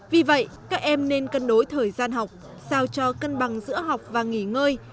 vì vậy các em nên cân đối thời gian học sao cho cân bằng giữa học và nghỉ ngơi